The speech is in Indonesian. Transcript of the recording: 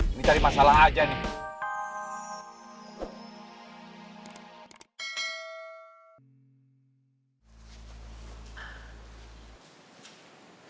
ini cari masalah aja nih